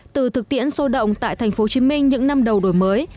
từ thực tiễn sô động tại thành phố hồ chí minh những năm đầu đổi mới